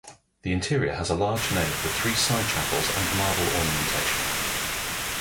The interior has a large nave with three side chapels and marble ornamentation.